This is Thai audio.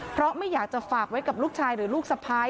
เพราะไม่อยากจะฝากไว้กับลูกชายหรือลูกสะพ้าย